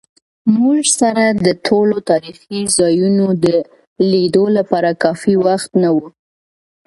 موږ سره د ټولو تاریخي ځایونو د لیدو لپاره کافي وخت نه و.